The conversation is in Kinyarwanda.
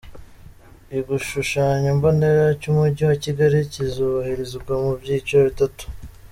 Igishushanyo mbonera cy’Umujyi wa Kigali kizubahirizwa mu byiciro bitatu.